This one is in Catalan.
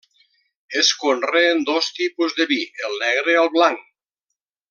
Es conreen dos tipus de vi, el negre i el blanc.